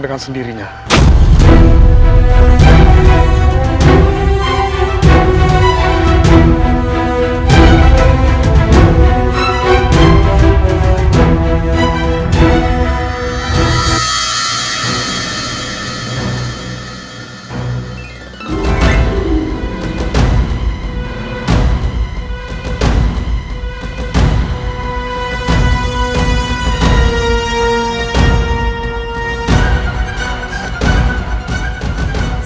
sahaja setiap satu